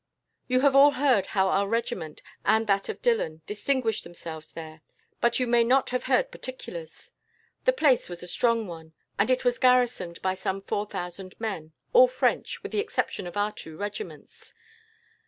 You have all heard how our regiment, and that of Dillon, distinguished themselves there, but you may not have heard particulars. The place was a strong one, and it was garrisoned by some 4000 men all French, with the exception of our two regiments.